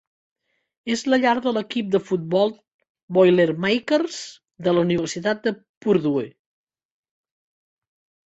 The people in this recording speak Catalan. És la llar de l'equip de futbol Boilermakers de la Universitat de Purdue.